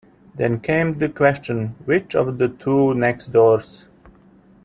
Then came the question, which of the two next doors?